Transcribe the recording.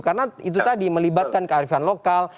karena itu tadi melibatkan kearifan lokal